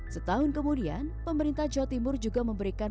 setahun kemudian pemerintah jawa timur juga memberikan